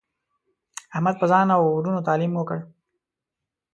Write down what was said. احمد په ځان او ورونو تعلیم وکړ.